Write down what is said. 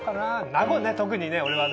名護ね特にね俺はね。